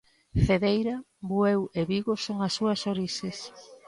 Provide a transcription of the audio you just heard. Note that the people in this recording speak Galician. Cedeira, Bueu e Vigo son as súas orixes.